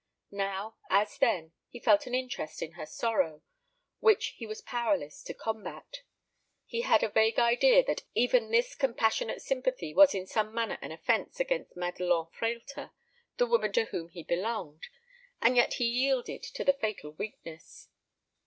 Now, as then, he felt an interest in her sorrow which he was powerless to combat. He had a vague idea that even this compassionate sympathy was in some manner an offence against Madelon Frehlter, the woman to whom he belonged, and yet he yielded to the fatal weakness.